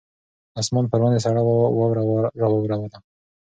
اسمان پر ونې سړه واوره راووروله.